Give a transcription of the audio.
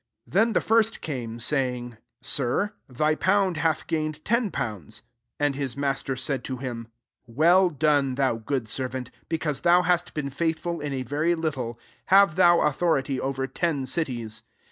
16 " Then the first came, say ing, * Sir, thy pound hath gain« ed ten pounds.' 17 And hh maater said to him, 'Well rfone, thou good servant : because thou hast been faithful in a very little, have thou authority over ten cities.'